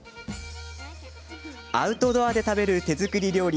アウトドアで食べる手作り料理。